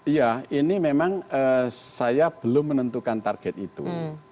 iya ini memang saya belum menentukan target itu